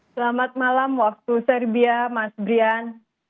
selamat malam waktu serbia mas brian